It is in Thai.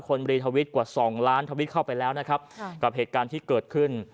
รีทวิตกว่าสองล้านทวิตเข้าไปแล้วนะครับกับเหตุการณ์ที่เกิดขึ้น